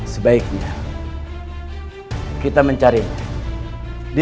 lebih walau our ra'wan